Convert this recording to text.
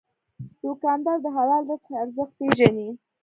دوکاندار د حلال رزق ارزښت پېژني.